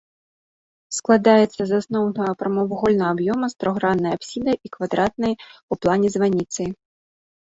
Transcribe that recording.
Складаецца з асноўнага прамавугольнага аб'ёма з трохграннай апсідай і квадратнай у плане званіцай.